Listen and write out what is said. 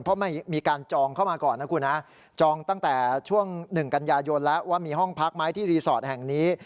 เพราะไม่มีการจองเข้ามาก่อนนะคุณฮะจองตั้งแต่ช่วง๑กันยายนแล้วว่ามีห้องพักไหมที่รีสอร์ทแห่งนี้